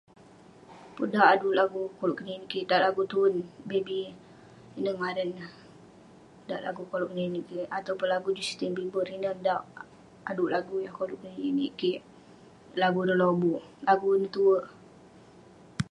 Pun dauwk aduk lagu koluk keninik kik..dauwk lagu tuern..baby ineh ngaran neh..dauwk lagu koluk keninik kik.. atau peh lagu justin bieber. ineh dauwk aduk lagu yah koluk keninik kik..lagu ireh lobuk, lagu ineh tuwerk..